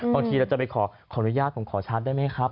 บางทีเราจะไปขออนุญาตผมขอชาร์จได้ไหมครับ